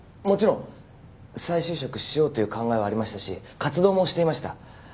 もちろん再就職しようという考えはありましたし活動もしていました。